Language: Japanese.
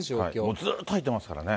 もうずっと入っていますからね。